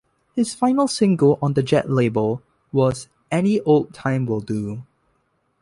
His final single on the Jet label was "Any Old Time Will Do".